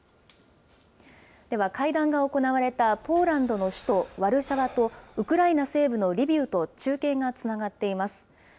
では、会談が行われたポーランドの首都ワルシャワと、ウクライナ西部のリビウと中継がつながっています。